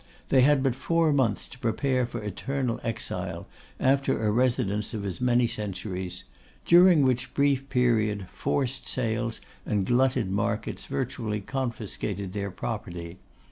They had but four months to prepare for eternal exile, after a residence of as many centuries; during which brief period forced sales and glutted markets virtually confiscated their property.